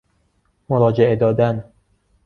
مراجعه دادن